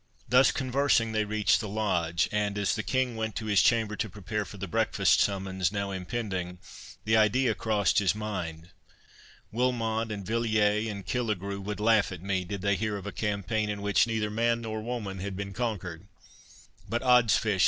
Thus conversing they reached the Lodge; and as the King went to his chamber to prepare for the breakfast summons, now impending, the idea crossed his mind, "Wilmot, and Villiers, and Killigrew, would laugh at me, did they hear of a campaign in which neither man nor woman had been conquered—But, oddsfish!